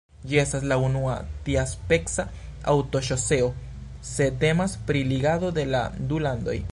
Ĝi estas la unua tiaspeca aŭtoŝoseo se temas pri ligado de la du landoj.